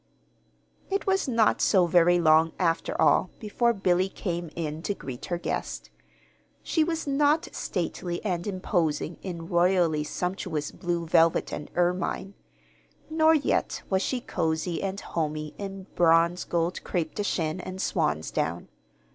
It was not so very long, after all, before Billy came in to greet her guest. She was not stately and imposing in royally sumptuous blue velvet and ermine; nor yet was she cozy and homy in bronze gold crêpe de Chine and swan's down.